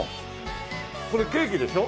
これケーキでしょ？